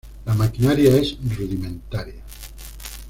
La maquinaria es rudimentaria.